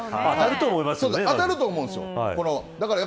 当たると思うんです。